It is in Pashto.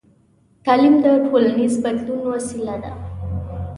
تعلیم د ټولنیز بدلون وسیله ده.